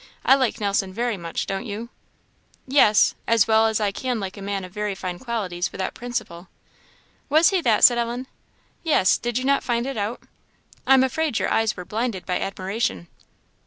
I like Nelson very much; don't you?" "Yes as well as I can like a man of very fine qualities without principle." "Was he that?" said Ellen. "Yes; did you not find it out? I am afraid your eyes were blinded by admiration."